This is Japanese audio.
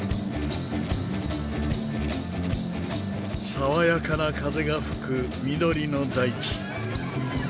爽やかな風が吹く緑の大地。